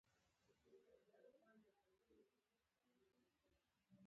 دوېم ګام کې مو خپل احساسات کنټرول یا مدیریت کړئ.